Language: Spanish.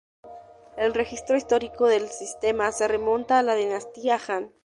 El registro histórico del sistema se remonta a la dinastía Han.